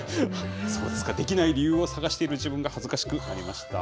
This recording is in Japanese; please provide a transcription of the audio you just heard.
そうですか、できない理由を探してる自分が恥ずかしくなりました。